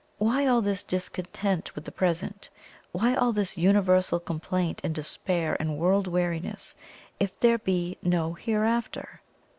Why all this discontent with the present why all this universal complaint and despair and world weariness, if there be NO HEREAFTER?